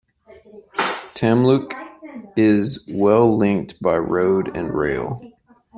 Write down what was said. Tamluk is well linked by road and rail.